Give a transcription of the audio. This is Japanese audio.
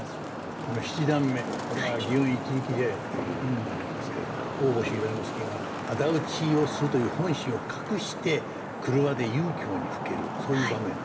この七段目これは「園一力茶屋」っていう場なんですけど大星由良之助が仇討をするという本心を隠して廓で遊興にふけるそういう場面で。